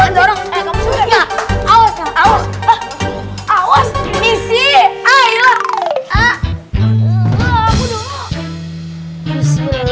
nggak ada lagi bersin